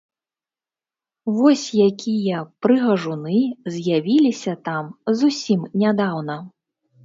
Вось якія прыгажуны з'явіліся там зусім нядаўна!